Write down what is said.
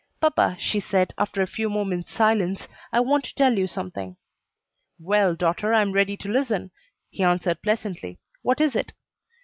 "Papa," she said, after a few moments' silence, "I want to tell you something." "Well, daughter, I am ready to listen," he answered pleasantly; "what is it?"